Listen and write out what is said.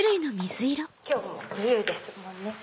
今日もブルーですもんね。